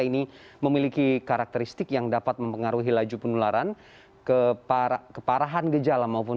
ini memiliki karakteristik yang dapat mempengaruhi laju penularan ke para keparahan gejala maupun